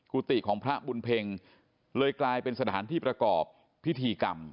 กุฏิของพระบุญเพ็งเลยกลายเป็นสถานที่ประกอบพิธีกรรม